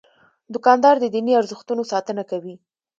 دوکاندار د دیني ارزښتونو ساتنه کوي.